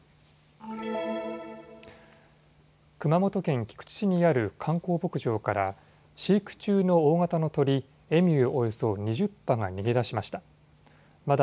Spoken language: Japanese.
熊本県菊池市にある観光牧場から飼育中の大型の鳥、エミューおよそ２０羽が逃げ出しました。